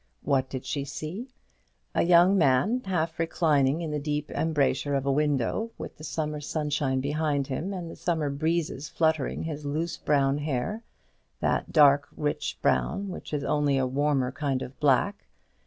What did she see? A young man half reclining in the deep embrasure of a window, with the summer sunshine behind him, and the summer breezes fluttering his loose brown hair that dark rich brown which is only a warmer kind of black.